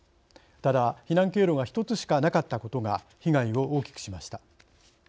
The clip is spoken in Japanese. ただ避難経路が１つしかなかったことが被害を大きくしました。